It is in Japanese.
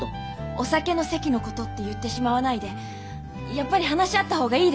お酒の席のことって言ってしまわないでやっぱり話し合った方がいいです。